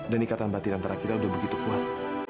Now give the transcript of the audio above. dan ikatan batin antara kita udah begitu kuat